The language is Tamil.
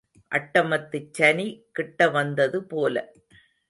அட்டமத்துச் சனி கிட்ட வந்தது போல.